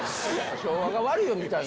昭和が悪いみたいな。